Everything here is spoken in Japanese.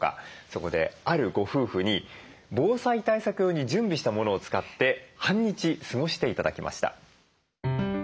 そこであるご夫婦に防災対策用に準備したものを使って半日過ごして頂きました。